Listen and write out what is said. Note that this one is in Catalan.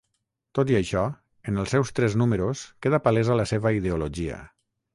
Tot i això, en els seus tres números queda palesa la seva ideologia.